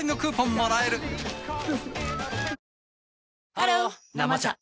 ハロー「生茶」